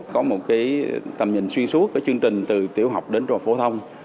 có một tầm nhìn xuyên suốt với chương trình từ tiểu học đến trung học phổ thông